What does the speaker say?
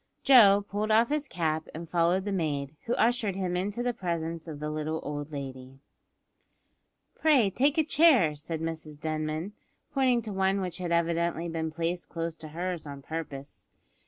Joe pulled off his cap and followed the maid, who ushered him into the presence of the little old lady. "Pray take a chair," said Mrs Denman, pointing to one which had evidently been placed close to hers on purpose.